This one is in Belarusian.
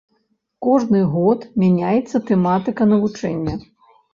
Кожны год мяняецца тэматыка навучання.